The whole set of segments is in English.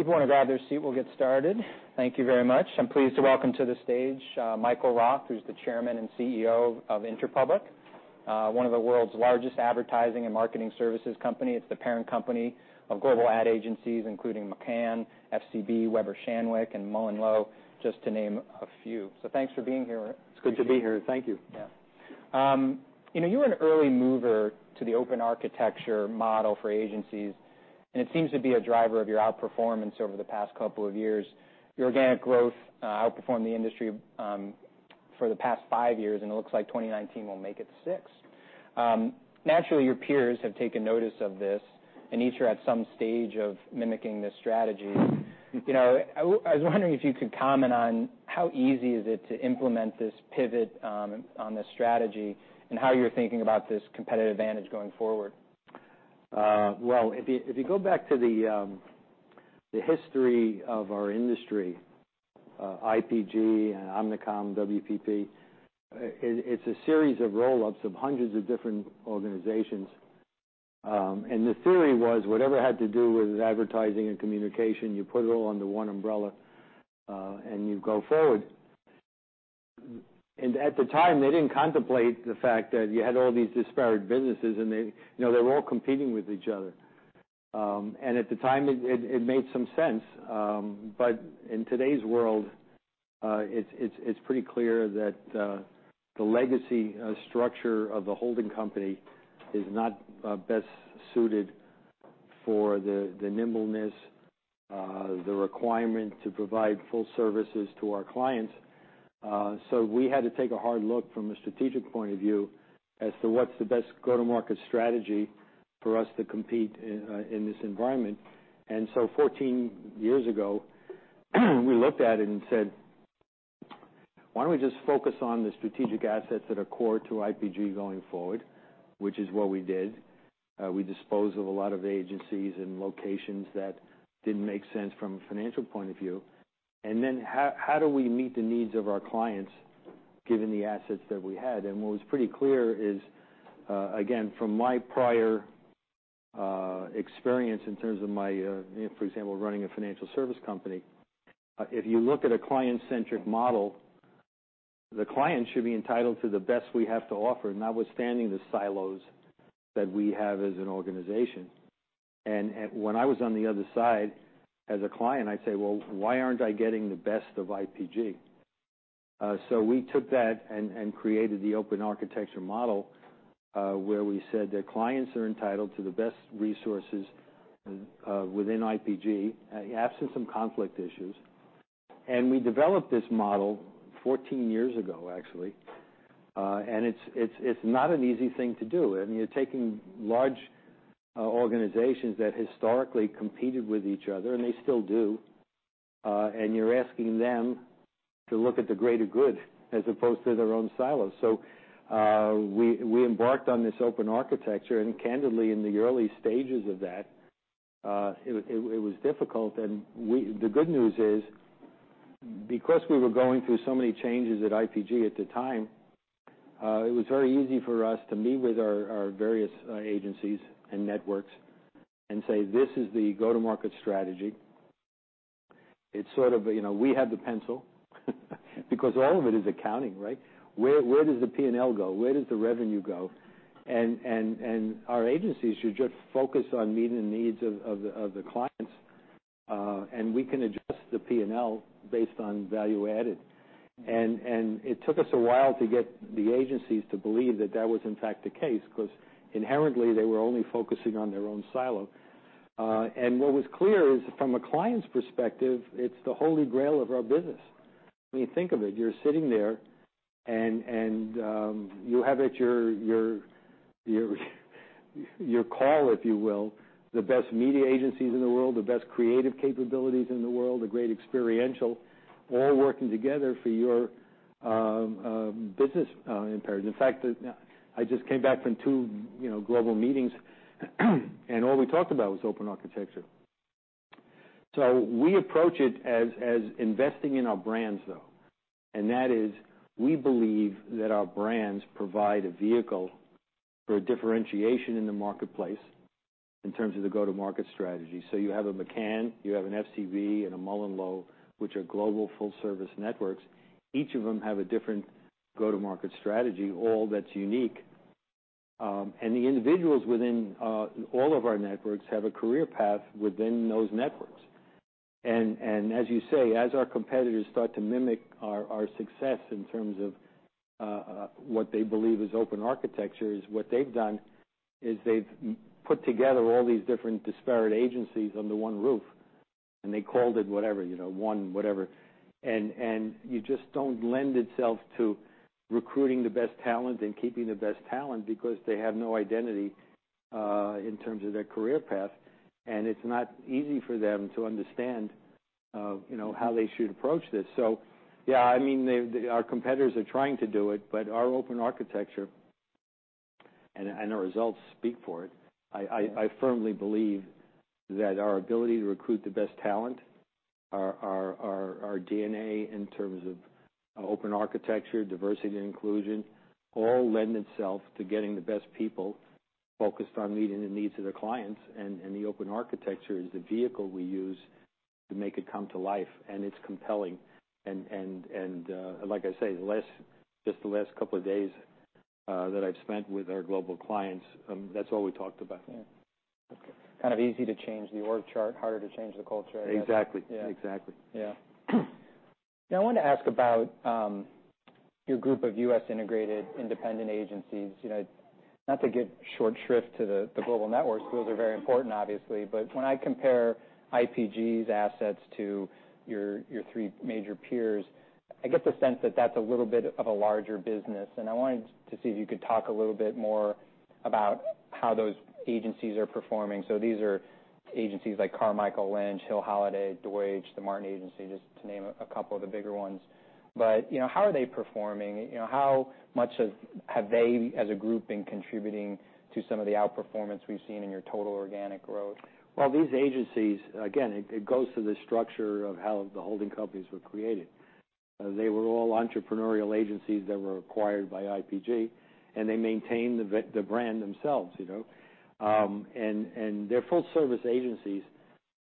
People want to grab their seat. We'll get started. Thank you very much. I'm pleased to welcome to the stage Michael Roth, who's the Chairman and CEO of Interpublic, one of the world's largest advertising and marketing services companies. It's the parent company of global ad agencies, including McCann, FCB, Weber Shandwick, and MullenLowe, just to name a few. So thanks for being here. It's good to be here. Thank you. Yeah. You were an early mover to the open architecture model for agencies, and it seems to be a driver of your outperformance over the past couple of years. Your organic growth outperformed the industry for the past five years, and it looks like 2019 will make it six. Naturally, your peers have taken notice of this, and each are at some stage of mimicking this strategy. I was wondering if you could comment on how easy it is to implement this pivot on this strategy and how you're thinking about this competitive advantage going forward? If you go back to the history of our industry, IPG, Omnicom, WPP, it's a series of roll-ups of hundreds of different organizations. The theory was whatever had to do with advertising and communication, you put it all under one umbrella and you go forward. At the time, they didn't contemplate the fact that you had all these disparate businesses, and they were all competing with each other. At the time, it made some sense. In today's world, it's pretty clear that the legacy structure of the holding company is not best suited for the nimbleness, the requirement to provide full services to our clients. We had to take a hard look from a strategic point of view as to what's the best go-to-market strategy for us to compete in this environment. And so 14 years ago, we looked at it and said, "Why don't we just focus on the strategic assets that are core to IPG going forward?" Which is what we did. We disposed of a lot of agencies and locations that didn't make sense from a financial point of view. And then how do we meet the needs of our clients given the assets that we had? And what was pretty clear is, again, from my prior experience in terms of my, for example, running a financial service company, if you look at a client-centric model, the client should be entitled to the best we have to offer, notwithstanding the silos that we have as an organization. And when I was on the other side as a client, I'd say, "Well, why aren't I getting the best of IPG?" So we took that and created the open architecture model where we said that clients are entitled to the best resources within IPG, absent some conflict issues. And we developed this model 14 years ago, actually. And it's not an easy thing to do. And you're taking large organizations that historically competed with each other, and they still do, and you're asking them to look at the greater good as opposed to their own silos. So we embarked on this open architecture. And candidly, in the early stages of that, it was difficult. The good news is, because we were going through so many changes at IPG at the time, it was very easy for us to meet with our various agencies and networks and say, "This is the go-to-market strategy." It's sort of we have the pencil because all of it is accounting, right? Where does the P&L go? Where does the revenue go? Our agencies should just focus on meeting the needs of the clients, and we can adjust the P&L based on value added. It took us a while to get the agencies to believe that that was, in fact, the case because inherently, they were only focusing on their own silo. What was clear is, from a client's perspective, it's the Holy Grail of our business. I mean, think of it. You're sitting there, and you have at your call, if you will, the best media agencies in the world, the best creative capabilities in the world, the great experiential, all working together for your business imperative. In fact, I just came back from two global meetings, and all we talked about was open architecture. So we approach it as investing in our brands, though. And that is, we believe that our brands provide a vehicle for differentiation in the marketplace in terms of the go-to-market strategy. So you have a McCann, you have an FCB, and a MullenLowe, which are global full-service networks. Each of them have a different go-to-market strategy, all that's unique. And the individuals within all of our networks have a career path within those networks. As you say, as our competitors start to mimic our success in terms of what they believe is open architecture, what they've done is they've put together all these different disparate agencies under one roof, and they called it whatever, one whatever. You just don't lend itself to recruiting the best talent and keeping the best talent because they have no identity in terms of their career path. It's not easy for them to understand how they should approach this. Yeah, I mean, our competitors are trying to do it, but our open architecture and our results speak for it. I firmly believe that our ability to recruit the best talent, our DNA in terms of open architecture, diversity, and inclusion, all lend itself to getting the best people focused on meeting the needs of their clients. The open architecture is the vehicle we use to make it come to life. It's compelling. Like I say, just the last couple of days that I've spent with our global clients, that's all we talked about. Yeah. Okay. Kind of easy to change the org chart, harder to change the culture. Exactly. Exactly. Yeah. Yeah. Now, I wanted to ask about your group of U.S.-integrated independent agencies. Not to get short shrift to the global networks, those are very important, obviously, but when I compare IPG's assets to your three major peers, I get the sense that that's a little bit of a larger business, and I wanted to see if you could talk a little bit more about how those agencies are performing, so these are agencies like Carmichael Lynch, Hill Holliday, Deutsch, The Martin Agency, just to name a couple of the bigger ones. But how are they performing? How much have they as a group been contributing to some of the outperformance we've seen in your total organic growth? These agencies, again, it goes to the structure of how the holding companies were created. They were all entrepreneurial agencies that were acquired by IPG, and they maintain the brand themselves. And they're full-service agencies.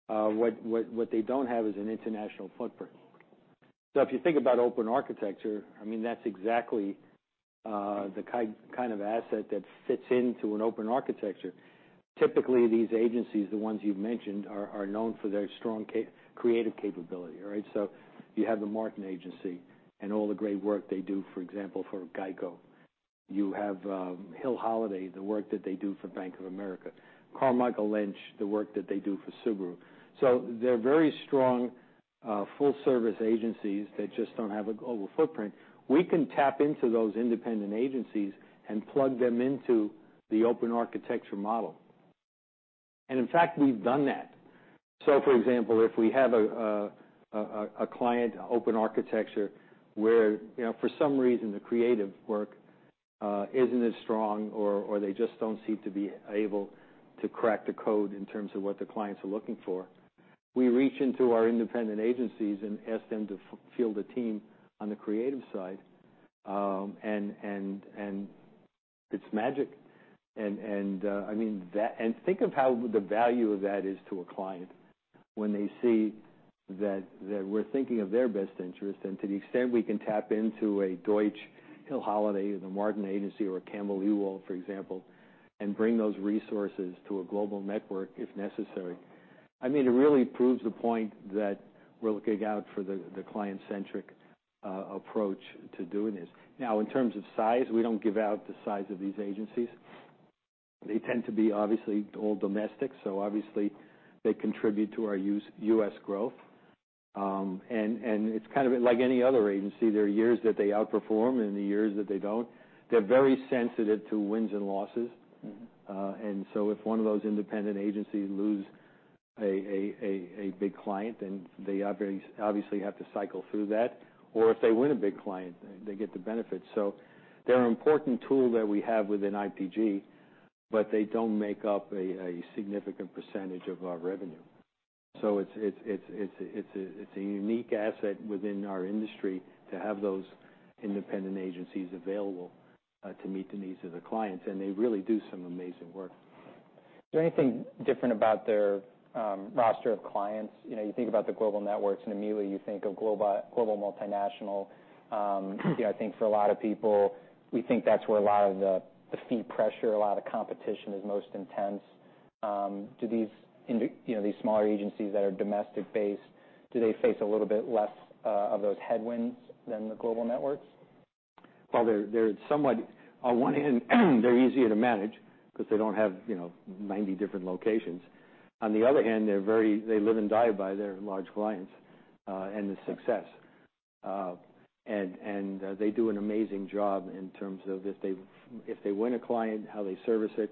What they don't have is an international footprint. So if you think about open architecture, I mean, that's exactly the kind of asset that fits into an open architecture. Typically, these agencies, the ones you've mentioned, are known for their strong creative capability, right? So you have The Martin Agency and all the great work they do, for example, for GEICO. You have Hill Holliday, the work that they do for Bank of America. Carmichael Lynch, the work that they do for Subaru. So they're very strong full-service agencies that just don't have a global footprint. We can tap into those independent agencies and plug them into the open architecture model. In fact, we've done that. So for example, if we have a client open architecture where, for some reason, the creative work isn't as strong or they just don't seem to be able to crack the code in terms of what the clients are looking for, we reach into our independent agencies and ask them to field a team on the creative side. And it's magic. And I mean, think of how the value of that is to a client when they see that we're thinking of their best interest. And to the extent we can tap into a Deutsch, Hill Holliday, The Martin Agency, or Campbell Ewald, for example, and bring those resources to a global network if necessary, I mean, it really proves the point that we're looking out for the client-centric approach to doing this. Now, in terms of size, we don't give out the size of these agencies. They tend to be obviously all domestic, so obviously, they contribute to our U.S. growth, and it's kind of like any other agency. There are years that they outperform and the years that they don't. They're very sensitive to wins and losses, and so if one of those independent agencies loses a big client, then they obviously have to cycle through that. Or if they win a big client, they get the benefit, so they're an important tool that we have within IPG, but they don't make up a significant percentage of our revenue, so it's a unique asset within our industry to have those independent agencies available to meet the needs of the clients, and they really do some amazing work. Is there anything different about their roster of clients? You think about the global networks, and immediately you think of global multinational. I think for a lot of people, we think that's where a lot of the fee pressure, a lot of the competition is most intense. Do these smaller agencies that are domestic-based, do they face a little bit less of those headwinds than the global networks? They're somewhat, on one hand, easier to manage because they don't have 90 different locations. On the other hand, they live and die by their large clients and the success. And they do an amazing job in terms of if they win a client, how they service it.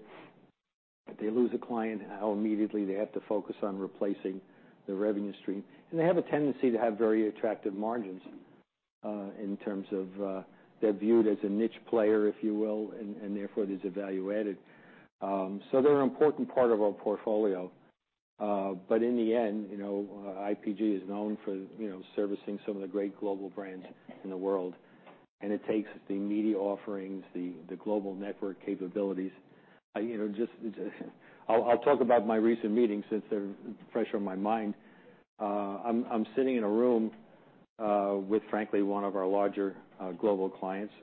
If they lose a client, how immediately they have to focus on replacing the revenue stream. And they have a tendency to have very attractive margins in terms of they're viewed as a niche player, if you will, and therefore there's a value added. So they're an important part of our portfolio. But in the end, IPG is known for servicing some of the great global brands in the world. And it takes the media offerings, the global network capabilities. I'll talk about my recent meetings since they're fresh on my mind. I'm sitting in a room with, frankly, one of our larger global clients,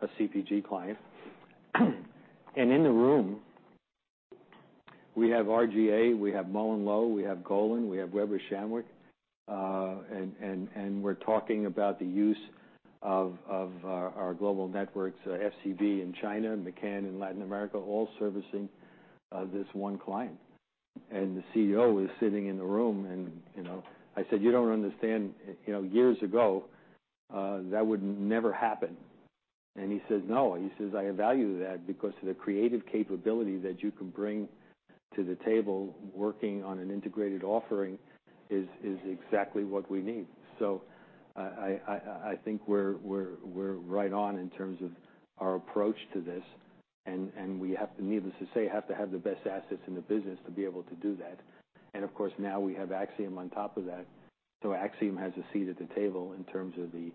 a CPG client. And in the room, we have R/GA, we have MullenLowe, we have Golin, we have Weber Shandwick. And we're talking about the use of our global networks, FCB in China, McCann in Latin America, all servicing this one client. And the CEO is sitting in the room. And I said, "You don't understand. Years ago, that would never happen." And he says, "No." He says, "I value that because of the creative capability that you can bring to the table working on an integrated offering is exactly what we need." So I think we're right on in terms of our approach to this. And needless to say, you have to have the best assets in the business to be able to do that. And of course, now we have Acxiom on top of that. So Acxiom has a seat at the table in terms of the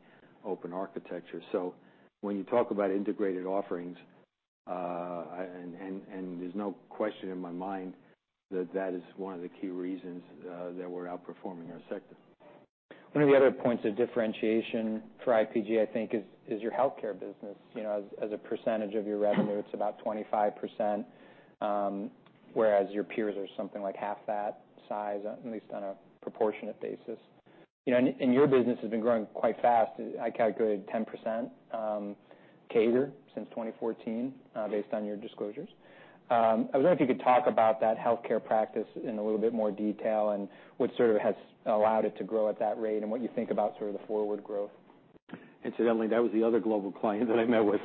open architecture. So when you talk about integrated offerings, and there's no question in my mind that that is one of the key reasons that we're outperforming our sector. One of the other points of differentiation for IPG, I think, is your healthcare business. As a percentage of your revenue, it's about 25%, whereas your peers are something like half that size, at least on a proportionate basis, and your business has been growing quite fast. I calculated 10% CAGR since 2014, based on your disclosures. I was wondering if you could talk about that healthcare practice in a little bit more detail and what sort of has allowed it to grow at that rate and what you think about sort of the forward growth. Incidentally, that was the other global client that I met with.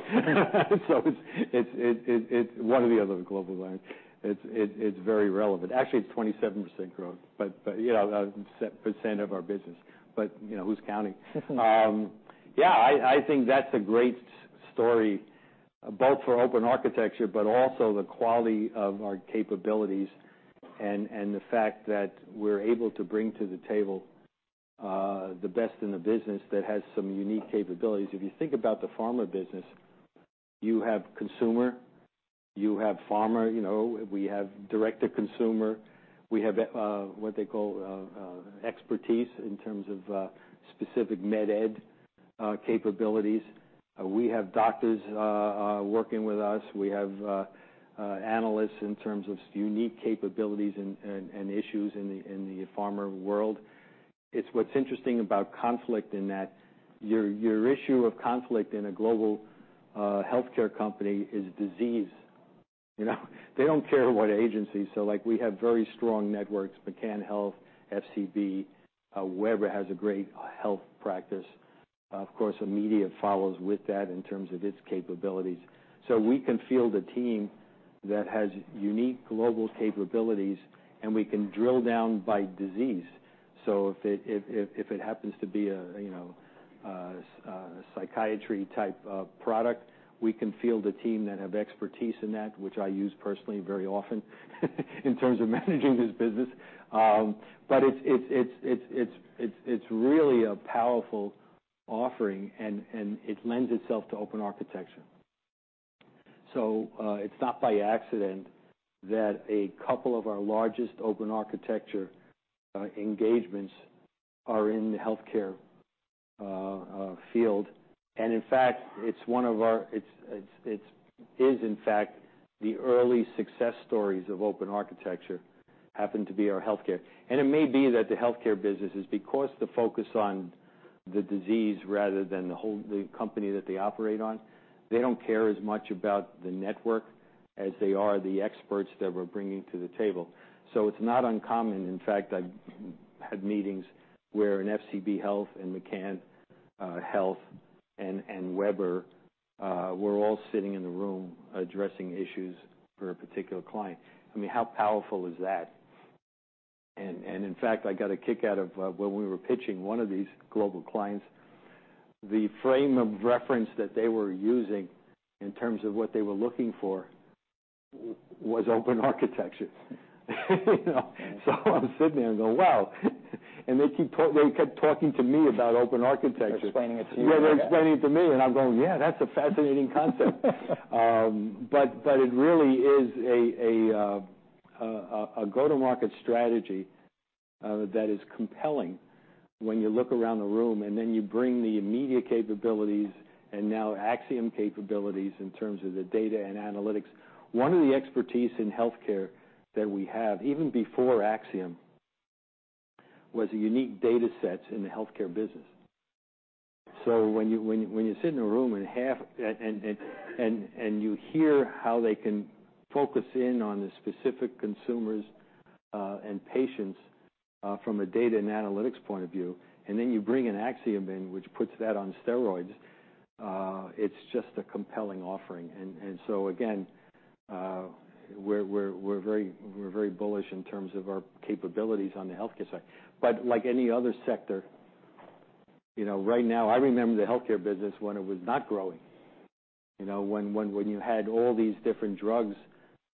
So it's one of the other global clients. It's very relevant. Actually, it's 27% growth, but a percent of our business. But who's counting? Yeah. I think that's a great story, both for open architecture, but also the quality of our capabilities and the fact that we're able to bring to the table the best in the business that has some unique capabilities. If you think about the pharma business, you have consumer, you have pharma, we have direct-to-consumer, we have what they call expertise in terms of specific MedEd capabilities. We have doctors working with us. We have analysts in terms of unique capabilities and issues in the pharma world. It's what's interesting about conflict in that your issue of conflict in a global healthcare company is disease. They don't care what agency. So we have very strong networks, McCann Health, FCB, Weber has a great health practice. Of course, a media follows with that in terms of its capabilities. So we can field a team that has unique global capabilities, and we can drill down by disease. So if it happens to be a psychiatry-type product, we can field a team that have expertise in that, which I use personally very often in terms of managing this business. But it's really a powerful offering, and it lends itself to open architecture. So it's not by accident that a couple of our largest open architecture engagements are in the healthcare field. And in fact, it's one of our; it is, in fact, the early success stories of open architecture happen to be our healthcare. And it may be that the healthcare businesses, because the focus on the disease rather than the company that they operate on, they don't care as much about the network as they are the experts that we're bringing to the table. So it's not uncommon. In fact, I've had meetings where an FCB Health and McCann Health and Weber were all sitting in the room addressing issues for a particular client. I mean, how powerful is that? And in fact, I got a kick out of when we were pitching one of these global clients, the frame of reference that they were using in terms of what they were looking for was open architecture. So I'm sitting there and go, "Wow." And they kept talking to me about open architecture. Explaining it to you. Yeah. They're explaining it to me. And I'm going, "Yeah, that's a fascinating concept." But it really is a go-to-market strategy that is compelling when you look around the room and then you bring the media capabilities and now Acxiom capabilities in terms of the data and analytics. One of the expertise in healthcare that we have, even before Acxiom, was unique data sets in the healthcare business. So when you sit in a room and you hear how they can focus in on the specific consumers and patients from a data and analytics point of view, and then you bring in Acxiom in, which puts that on steroids, it's just a compelling offering. And so again, we're very bullish in terms of our capabilities on the healthcare side. But like any other sector, right now, I remember the healthcare business when it was not growing. When you had all these different drugs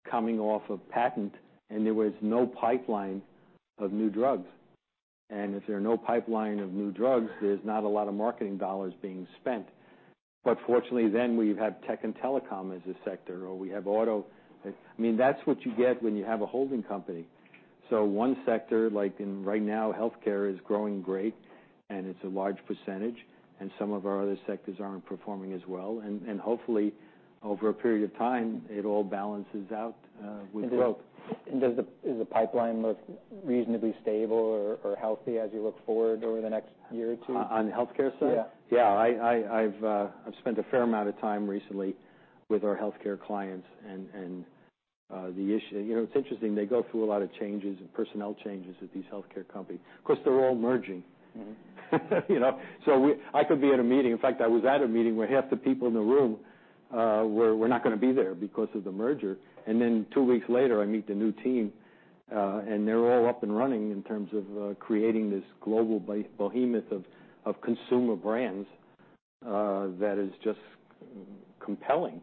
coming off of patent and there was no pipeline of new drugs, and if there are no pipeline of new drugs, there's not a lot of marketing dollars being spent, but fortunately, then we have tech and telecom as a sector, or we have auto. I mean, that's what you get when you have a holding company, so one sector, like right now, healthcare is growing great, and it's a large percentage, and some of our other sectors aren't performing as well, and hopefully, over a period of time, it all balances out with growth. Is the pipeline most reasonably stable or healthy as you look forward over the next year or two? On the healthcare side? Yeah. Yeah. I've spent a fair amount of time recently with our healthcare clients. And it's interesting. They go through a lot of changes, personnel changes at these healthcare companies. Of course, they're all merging. So I could be at a meeting. In fact, I was at a meeting where half the people in the room were not going to be there because of the merger. And then two weeks later, I meet the new team, and they're all up and running in terms of creating this global behemoth of consumer brands that is just compelling.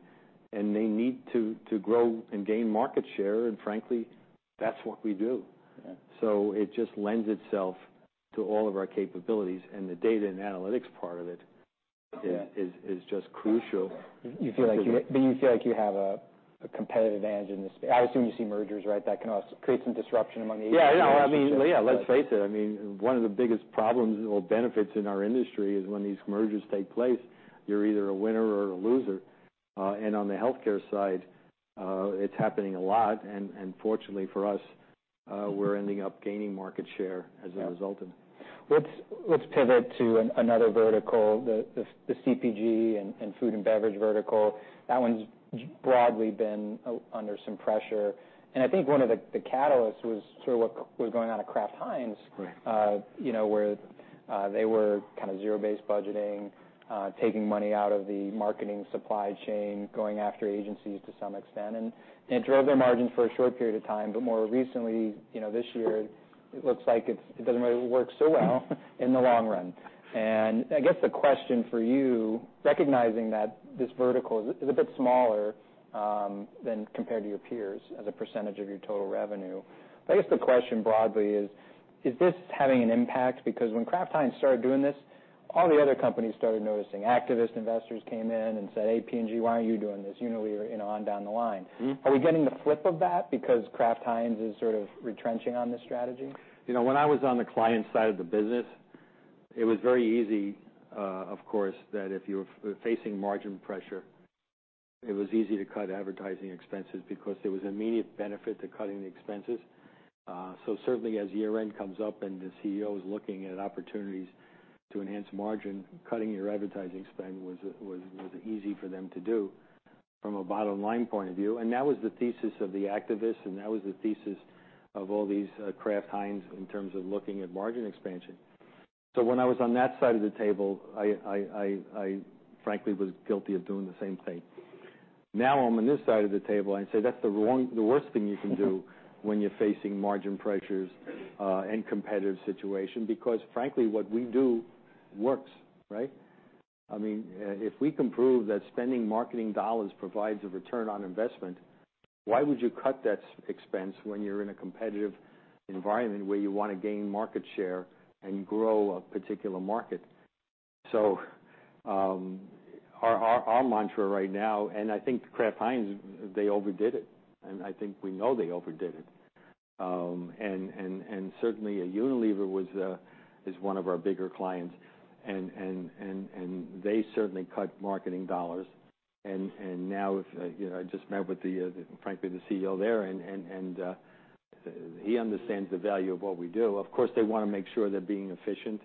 And they need to grow and gain market share. And frankly, that's what we do. So it just lends itself to all of our capabilities. And the data and analytics part of it is just crucial. But you feel like you have a competitive advantage in this space. I assume you see mergers, right, that can create some disruption among the agency? Yeah. I mean, yeah, let's face it. I mean, one of the biggest problems or benefits in our industry is when these mergers take place, you're either a winner or a loser. And on the healthcare side, it's happening a lot. And fortunately for us, we're ending up gaining market share as a result of it. Let's pivot to another vertical, the CPG and food and beverage vertical. That one's broadly been under some pressure. And I think one of the catalysts was sort of what was going on at Kraft Heinz, where they were kind of zero-based budgeting, taking money out of the marketing supply chain, going after agencies to some extent. And it drove their margins for a short period of time. But more recently, this year, it looks like it doesn't really work so well in the long run. And I guess the question for you, recognizing that this vertical is a bit smaller than compared to your peers as a percentage of your total revenue, I guess the question broadly is, is this having an impact? Because when Kraft Heinz started doing this, all the other companies started noticing. Activist investors came in and said, "Hey, P&G, why aren't you doing this?" You know, on down the line. Are we getting the flip of that because Kraft Heinz is sort of retrenching on this strategy? When I was on the client side of the business, it was very easy, of course, that if you were facing margin pressure, it was easy to cut advertising expenses because there was immediate benefit to cutting the expenses. So certainly, as year-end comes up and the CEO is looking at opportunities to enhance margin, cutting your advertising spend was easy for them to do from a bottom-line point of view. And that was the thesis of the activists, and that was the thesis of all these Kraft Heinz in terms of looking at margin expansion. So when I was on that side of the table, I frankly was guilty of doing the same thing. Now I'm on this side of the table, and I say, "That's the worst thing you can do when you're facing margin pressures and competitive situation because, frankly, what we do works, right? I mean, if we can prove that spending marketing dollars provides a return on investment, why would you cut that expense when you're in a competitive environment where you want to gain market share and grow a particular market? So our mantra right now, and I think Kraft Heinz, they overdid it. And I think we know they overdid it. And certainly, Unilever is one of our bigger clients. And they certainly cut marketing dollars. And now I just met with, frankly, the CEO there, and he understands the value of what we do. Of course, they want to make sure they're being efficient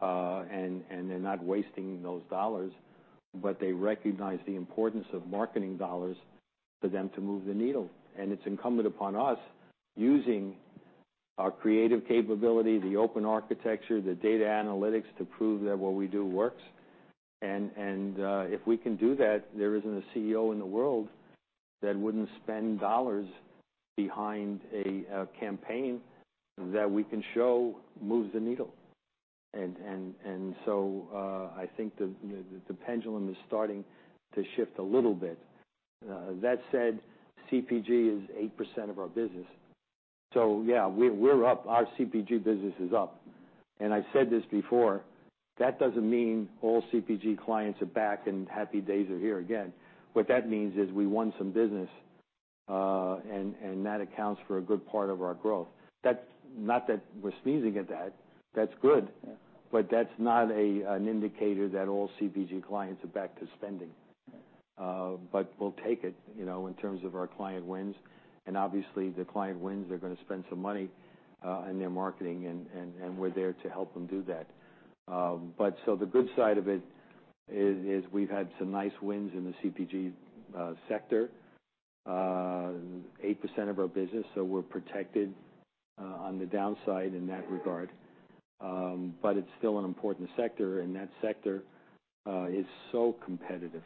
and they're not wasting those dollars, but they recognize the importance of marketing dollars for them to move the needle. And it's incumbent upon us using our creative capability, the open architecture, the data analytics to prove that what we do works. And if we can do that, there isn't a CEO in the world that wouldn't spend dollars behind a campaign that we can show moves the needle. And so I think the pendulum is starting to shift a little bit. That said, CPG is 8% of our business. So yeah, we're up. Our CPG business is up. And I've said this before. That doesn't mean all CPG clients are back and happy days are here again. What that means is we won some business, and that accounts for a good part of our growth. Not that we're sneezing at that. That's good. But that's not an indicator that all CPG clients are back to spending. But we'll take it in terms of our client wins. And obviously, the client wins, they're going to spend some money on their marketing, and we're there to help them do that. But, so the good side of it is we've had some nice wins in the CPG sector, 8% of our business. So we're protected on the downside in that regard. But it's still an important sector, and that sector is so competitive.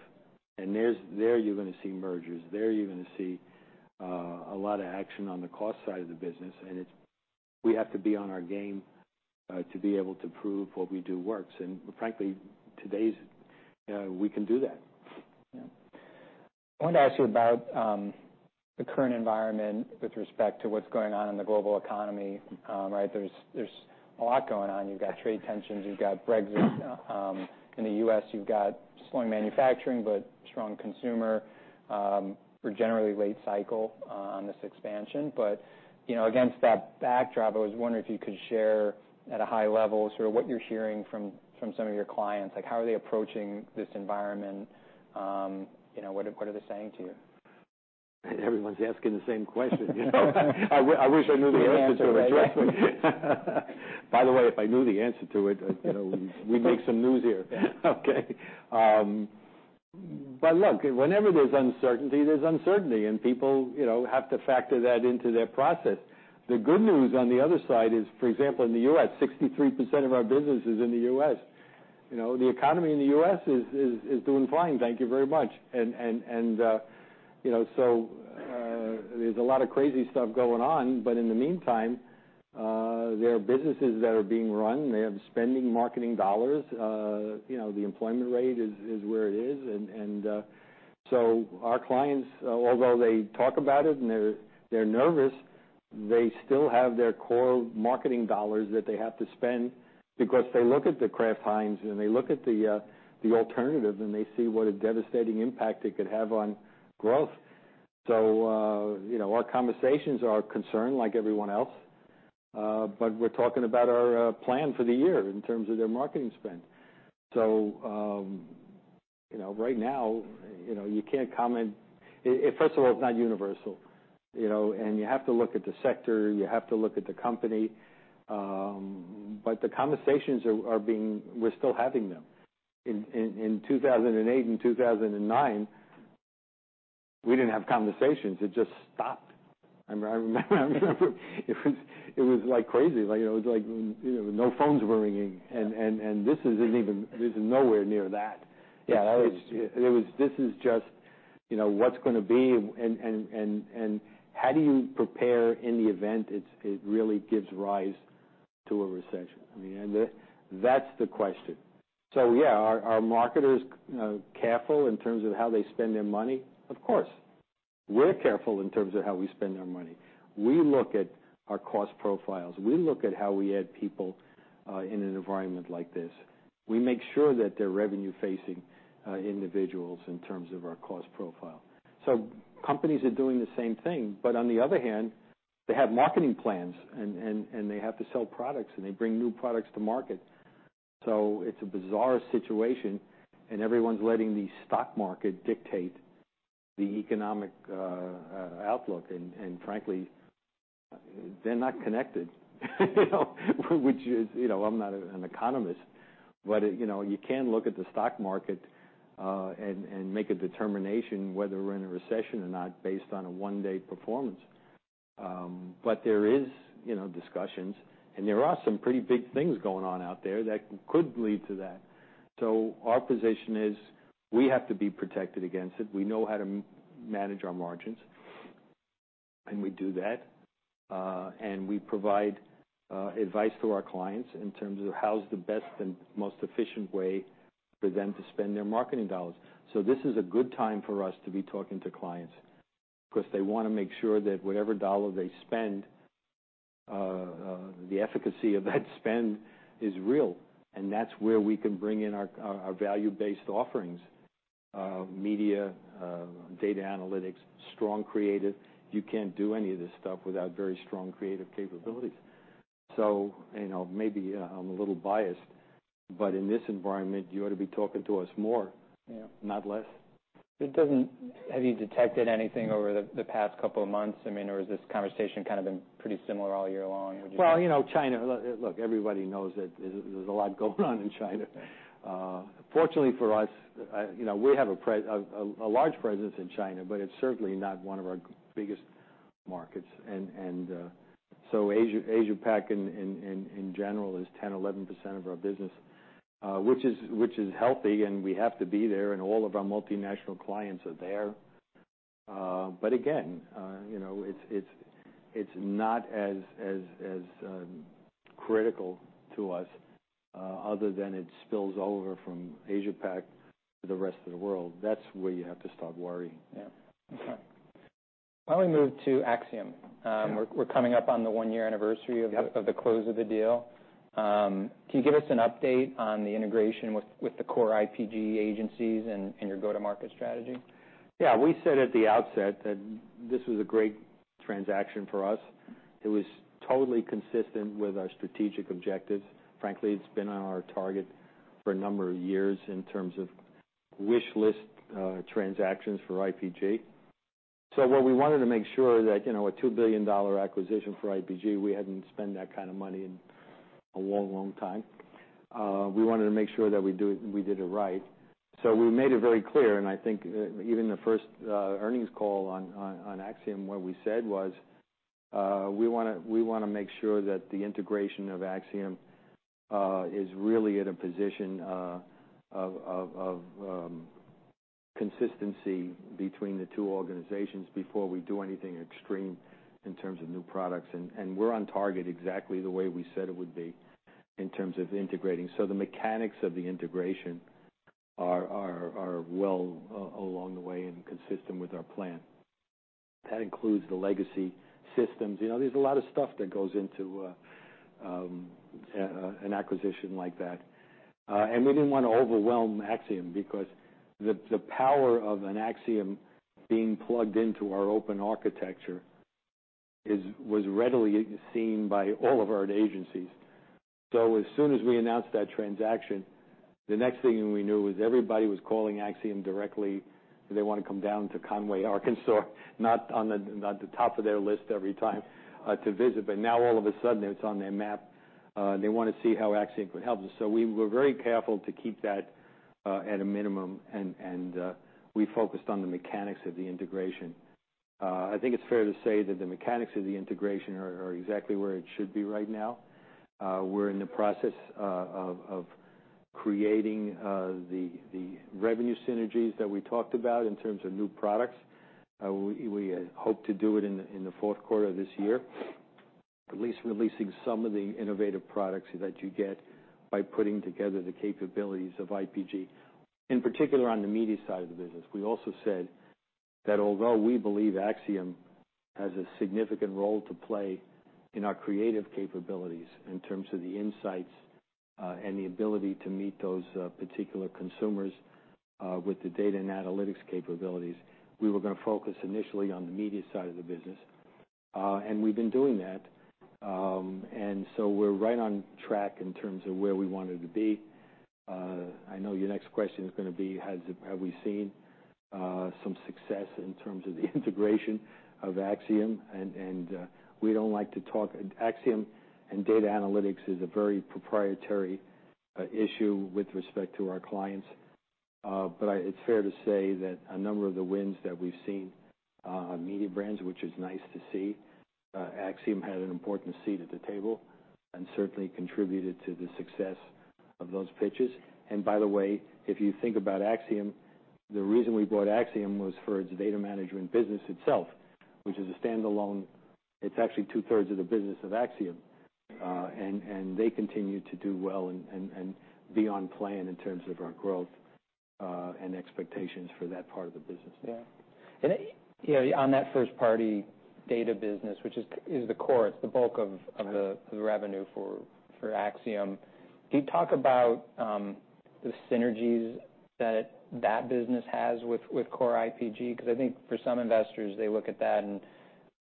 And there you're going to see mergers. There you're going to see a lot of action on the cost side of the business. And we have to be on our game to be able to prove what we do works. And frankly, today we can do that. Yeah. I wanted to ask you about the current environment with respect to what's going on in the global economy, right? There's a lot going on. You've got trade tensions. You've got Brexit in the U.S. You've got slowing manufacturing, but strong consumer. We're generally late cycle on this expansion. But against that backdrop, I was wondering if you could share at a high level sort of what you're hearing from some of your clients. How are they approaching this environment? What are they saying to you? Everyone's asking the same question. I wish I knew the answer to it. By the way, if I knew the answer to it, we'd make some news here. Okay. But look, whenever there's uncertainty, there's uncertainty. And people have to factor that into their process. The good news on the other side is, for example, in the U.S., 63% of our business is in the U.S. The economy in the U.S. is doing fine. Thank you very much. And so there's a lot of crazy stuff going on. But in the meantime, there are businesses that are being run. They have spending marketing dollars. The employment rate is where it is. Our clients, although they talk about it and they're nervous, they still have their core marketing dollars that they have to spend because they look at the Kraft Heinz, and they look at the alternative, and they see what a devastating impact it could have on growth. Our conversations are concerned like everyone else. But we're talking about our plan for the year in terms of their marketing spend. So right now, you can't comment. First of all, it's not universal. And you have to look at the sector. You have to look at the company. But the conversations, we're still having them. In 2008 and 2009, we didn't have conversations. It just stopped. I remember it was like crazy. It was like no phones were ringing. And this isn't even. This is nowhere near that. Yeah. This is just what's going to be and how do you prepare in the event it really gives rise to a recession? I mean, that's the question. So yeah, are marketers careful in terms of how they spend their money? Of course. We're careful in terms of how we spend our money. We look at our cost profiles. We look at how we add people in an environment like this. We make sure that they're revenue-facing individuals in terms of our cost profile. So companies are doing the same thing. But on the other hand, they have marketing plans, and they have to sell products, and they bring new products to market. So it's a bizarre situation. And everyone's letting the stock market dictate the economic outlook. And frankly, they're not connected, which is, I'm not an economist. But you can look at the stock market and make a determination whether we're in a recession or not based on a one-day performance. But there are discussions, and there are some pretty big things going on out there that could lead to that. So our position is we have to be protected against it. We know how to manage our margins. And we do that. And we provide advice to our clients in terms of how's the best and most efficient way for them to spend their marketing dollars. So this is a good time for us to be talking to clients because they want to make sure that whatever dollar they spend, the efficacy of that spend is real. And that's where we can bring in our value-based offerings: media, data analytics, strong creative. You can't do any of this stuff without very strong creative capabilities. So maybe I'm a little biased, but in this environment, you ought to be talking to us more, not less. Have you detected anything over the past couple of months? I mean, or has this conversation kind of been pretty similar all year long? Well, China. Look, everybody knows that there's a lot going on in China. Fortunately for us, we have a large presence in China, but it's certainly not one of our biggest markets. And so Asia-Pac, in general, is 10%-11% of our business, which is healthy, and we have to be there, and all of our multinational clients are there. But again, it's not as critical to us other than it spills over from Asia-Pac to the rest of the world. That's where you have to start worrying. Yeah. Okay. Finally, move to Acxiom. We're coming up on the one-year anniversary of the close of the deal. Can you give us an update on the integration with the core IPG agencies and your go-to-market strategy? Yeah. We said at the outset that this was a great transaction for us. It was totally consistent with our strategic objectives. Frankly, it's been on our target for a number of years in terms of wishlist transactions for IPG. So what we wanted to make sure that a $2 billion acquisition for IPG, we hadn't spent that kind of money in a long, long time. We wanted to make sure that we did it right. So we made it very clear, and I think even the first earnings call on Acxiom where we said was we want to make sure that the integration of Acxiom is really at a position of consistency between the two organizations before we do anything extreme in terms of new products. And we're on target exactly the way we said it would be in terms of integrating. So the mechanics of the integration are well along the way and consistent with our plan. That includes the legacy systems. There's a lot of stuff that goes into an acquisition like that. And we didn't want to overwhelm Acxiom because the power of an Acxiom being plugged into our open architecture was readily seen by all of our agencies. So as soon as we announced that transaction, the next thing we knew was everybody was calling Acxiom directly. They want to come down to Conway, Arkansas, not on the top of their list every time to visit. But now, all of a sudden, it's on their map. They want to see how Acxiom could help them. So we were very careful to keep that at a minimum, and we focused on the mechanics of the integration. I think it's fair to say that the mechanics of the integration are exactly where it should be right now. We're in the process of creating the revenue synergies that we talked about in terms of new products. We hope to do it in the fourth quarter of this year, at least releasing some of the innovative products that you get by putting together the capabilities of IPG, in particular on the media side of the business. We also said that although we believe Acxiom has a significant role to play in our creative capabilities in terms of the insights and the ability to meet those particular consumers with the data and analytics capabilities, we were going to focus initially on the media side of the business. And we've been doing that. And so we're right on track in terms of where we wanted to be. I know your next question is going to be, have we seen some success in terms of the integration of Acxiom? And we don't like to talk. Acxiom and data analytics is a very proprietary issue with respect to our clients. But it's fair to say that a number of the wins that we've seen, Mediabrands, which is nice to see, Acxiom had an important seat at the table and certainly contributed to the success of those pitches. And by the way, if you think about Acxiom, the reason we bought Acxiom was for its data management business itself, which is a standalone. It's actually two-thirds of the business of Acxiom. And they continue to do well and be on plan in terms of our growth and expectations for that part of the business. Yeah. And on that first-party data business, which is the core, it's the bulk of the revenue for Acxiom, can you talk about the synergies that that business has with core IPG? Because I think for some investors, they look at that and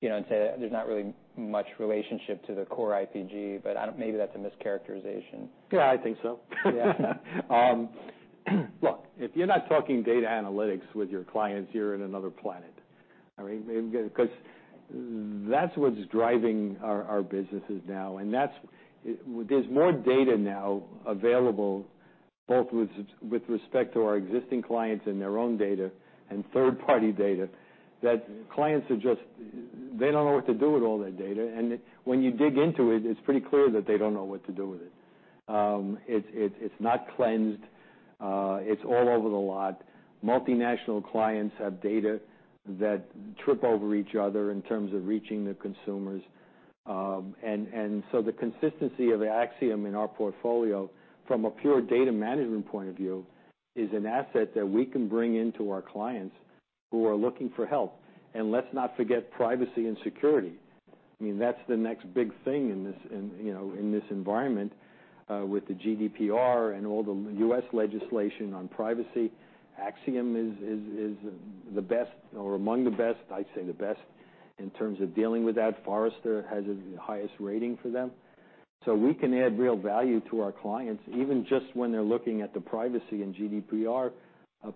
say there's not really much relationship to the core IPG, but maybe that's a mischaracterization. Yeah, I think so. Yeah. Look, if you're not talking data analytics with your clients, you're in another planet. I mean, because that's what's driving our businesses now. There's more data now available both with respect to our existing clients and their own data and third-party data that clients are just they don't know what to do with all that data. When you dig into it, it's pretty clear that they don't know what to do with it. It's not cleansed. It's all over the lot. Multinational clients have data that trip over each other in terms of reaching the consumers. The consistency of Acxiom in our portfolio from a pure data management point of view is an asset that we can bring into our clients who are looking for help. Let's not forget privacy and security. I mean, that's the next big thing in this environment with the GDPR and all the U.S. legislation on privacy. Acxiom is the best or among the best, I'd say the best in terms of dealing with that. Forrester has the highest rating for them. So we can add real value to our clients even just when they're looking at the privacy and GDPR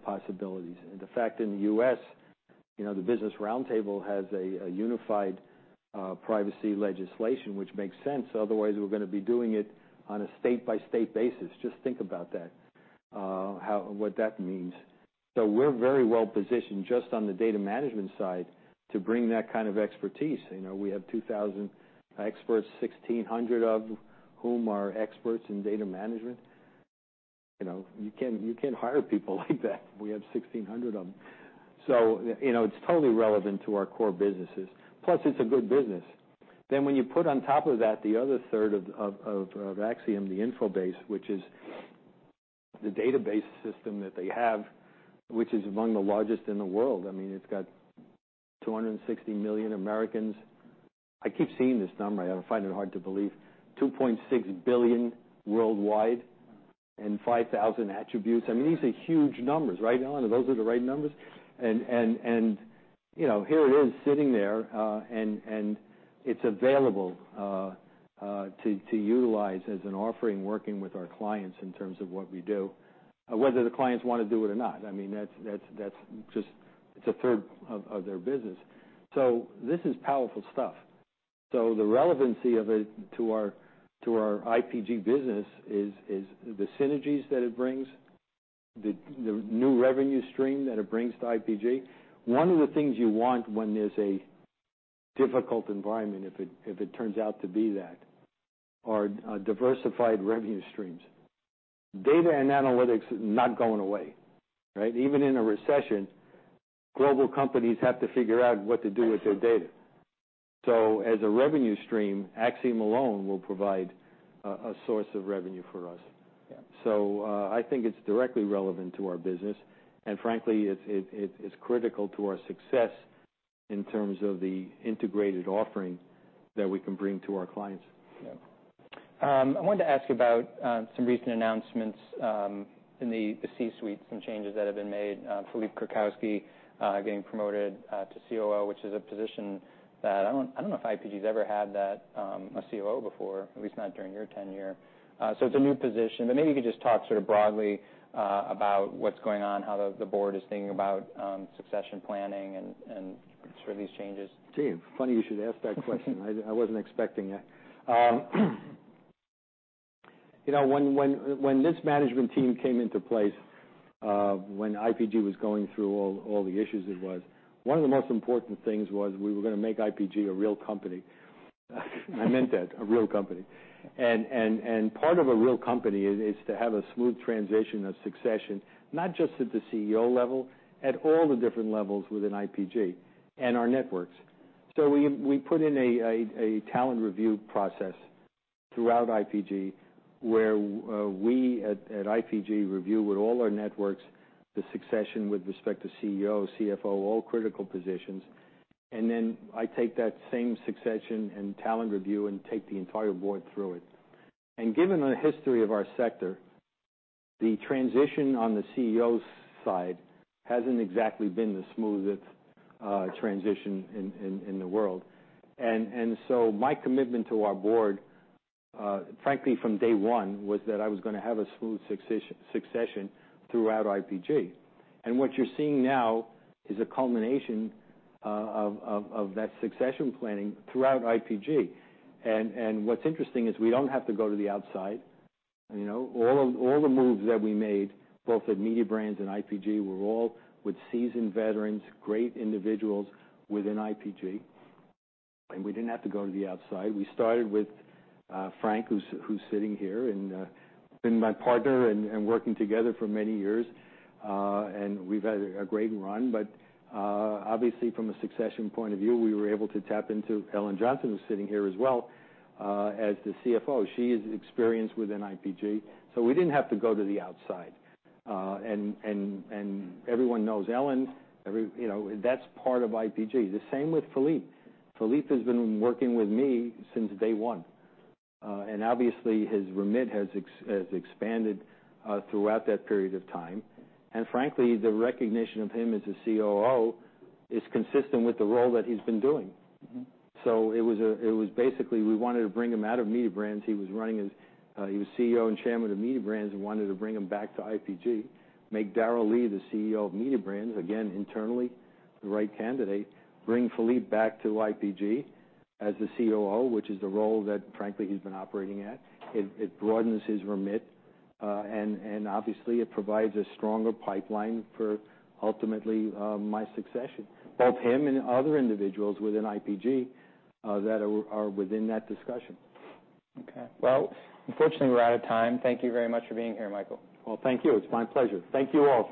possibilities. And the fact in the U.S., the Business Roundtable has a unified privacy legislation, which makes sense. Otherwise, we're going to be doing it on a state-by-state basis. Just think about that, what that means. So we're very well positioned just on the data management side to bring that kind of expertise. We have 2,000 experts, 1,600 of whom are experts in data management. You can't hire people like that. We have 1,600 of them. So it's totally relevant to our core businesses. Plus, it's a good business. Then when you put on top of that the other third of Acxiom, the InfoBase, which is the database system that they have, which is among the largest in the world. I mean, it's got 260 million Americans. I keep seeing this number. I find it hard to believe. 2.6 billion worldwide and 5,000 attributes. I mean, these are huge numbers, right, Ellen? Those are the right numbers? And here it is sitting there, and it's available to utilize as an offering working with our clients in terms of what we do, whether the clients want to do it or not. I mean, that's just it's a third of their business. So this is powerful stuff. So the relevancy of it to our IPG business is the synergies that it brings, the new revenue stream that it brings to IPG. One of the things you want when there's a difficult environment, if it turns out to be that, are diversified revenue streams. Data and analytics are not going away, right? Even in a recession, global companies have to figure out what to do with their data. So as a revenue stream, Acxiom alone will provide a source of revenue for us. So I think it's directly relevant to our business. And frankly, it's critical to our success in terms of the integrated offering that we can bring to our clients. Yeah. I wanted to ask about some recent announcements in the C-suite, some changes that have been made. Philippe Krakowsky getting promoted to COO, which is a position that I don't know if IPG has ever had that COO before, at least not during your tenure. So it's a new position. But maybe you could just talk sort of broadly about what's going on, how the board is thinking about succession planning and sort of these changes. Gee, funny you should ask that question. I wasn't expecting it. When this management team came into place, when IPG was going through all the issues it was, one of the most important things was we were going to make IPG a real company. I meant that, a real company. And part of a real company is to have a smooth transition of succession, not just at the CEO level, at all the different levels within IPG and our networks. So we put in a talent review process throughout IPG where we at IPG review with all our networks the succession with respect to CEO, CFO, all critical positions. And then I take that same succession and talent review and take the entire board through it. And given the history of our sector, the transition on the CEO side hasn't exactly been the smoothest transition in the world. My commitment to our board, frankly, from day one, was that I was going to have a smooth succession throughout IPG. What you're seeing now is a culmination of that succession planning throughout IPG. What's interesting is we don't have to go to the outside. All the moves that we made, both at Mediabrands and IPG, were all with seasoned veterans, great individuals within IPG. We didn't have to go to the outside. We started with Frank, who's sitting here, and been my partner and working together for many years. We've had a great run. But obviously, from a succession point of view, we were able to tap into Ellen Johnson, who's sitting here as well, as the CFO. She is experienced within IPG. We didn't have to go to the outside. Everyone knows Ellen. That's part of IPG. The same with Philippe. Philippe has been working with me since day one. And obviously, his remit has expanded throughout that period of time. And frankly, the recognition of him as a COO is consistent with the role that he's been doing. So it was basically we wanted to bring him out of Mediabrands. He was running as he was CEO and Chairman of Mediabrands and wanted to bring him back to IPG, make Daryl Lee the CEO of Mediabrands, again, internally, the right candidate, bring Philippe back to IPG as the COO, which is the role that, frankly, he's been operating at. It broadens his remit. And obviously, it provides a stronger pipeline for ultimately my succession, both him and other individuals within IPG that are within that discussion. Okay. Well, unfortunately, we're out of time. Thank you very much for being here, Michael. Thank you. It's my pleasure. Thank you all.